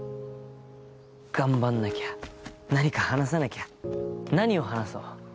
頑張んなきゃ何か話さなきゃ何を話そう。